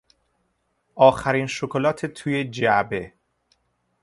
آخرین شکلات توی جعبه